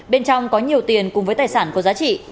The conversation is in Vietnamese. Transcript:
bên trong có nhiều tiền cùng với tài sản có giá trị